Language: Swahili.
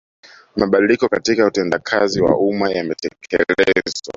Mabadiliko katika utendakazi wa umma yametekelezwa